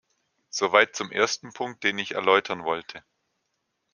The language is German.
Soweit zum ersten Punkt, den ich erläutern wollte.